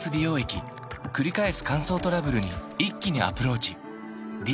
くり返す乾燥トラブルに一気にアプローチ